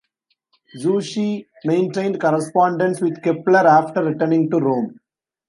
Zucchi maintained correspondence with Kepler after returning to Rome.